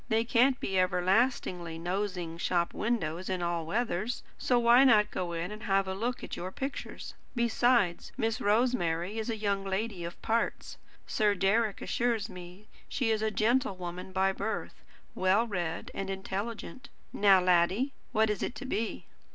They can't be everlastingly nosing shop windows in all weathers; so why not go in and have a look at your pictures? Besides, Miss Rosemary is a young lady of parts. Sir Deryck assures me she is a gentlewoman by birth, well read and intelligent. Now, laddie, what is it to be?"